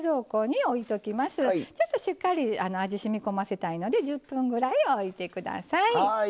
ちょっとしっかり味しみ込ませたいので１０分ぐらいおいて下さい。